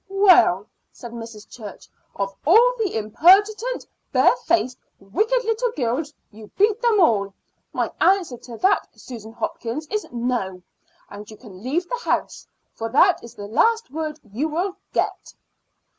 "Well," said Mrs. Church, "of all the impertinent, bare faced, wicked little girls, you beat them all. My answer to that, Susan Hopkins, is no; and you can leave the house, for that is the last word you will get."